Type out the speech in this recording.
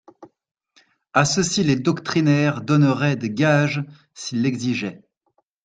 A ceux-ci les doctrinaires donneraient des gages s'ils l'exigeaient.